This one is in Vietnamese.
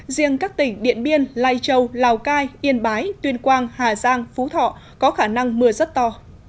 riêng các tỉnh điện biên lai châu lào cai yên bái tuyên quang hà giang phú thọ có khả năng mưa rất to